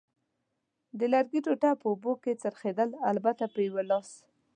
د لرګي ټوټه په اوبو کې څرخېدل، البته په یوه لاس.